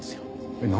えっ何？